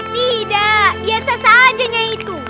tidak biasa sajanya itu